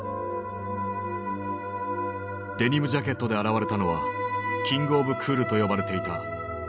デニムジャケットで現れたのはキング・オブ・クールと呼ばれていたスティーブ・マックイーン。